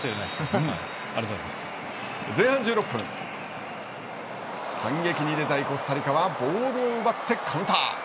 前半１６分反撃に出たいコスタリカはボールを奪ってカウンター。